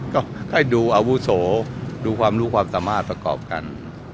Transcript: ก็ให้ดูอาวุโสดูความรู้ความสามารถประกอบกัน